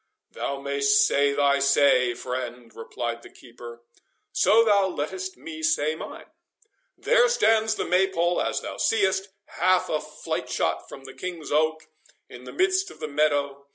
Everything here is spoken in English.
"Thou mayst say thy say, friend," replied the keeper, "so thou lettest me say mine. There stands the Maypole, as thou seest, half a flight shot from the King's Oak, in the midst of the meadow.